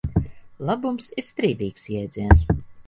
Labums ir strīdīgs jēdziens.